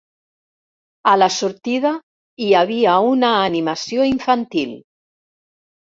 A la sortida hi havia una animació infantil.